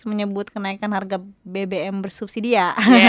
menyebut kenaikan harga bbm bersubsidia